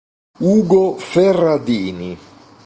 Ugo Ferradini